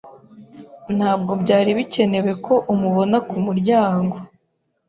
Ntabwo byari bikenewe ko umubona ku muryango.